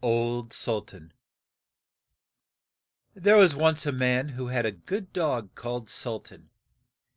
139 OLD SULTAN THERE was once a man who had a good dog called Sul tan.